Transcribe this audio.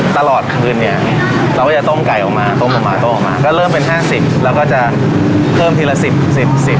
ตลอดคืนเนี่ยเราก็จะต้มไก่ออกมาต้มออกมาต้มออกมาก็เริ่มเป็นห้าสิบแล้วก็จะเพิ่มทีละสิบสิบสิบ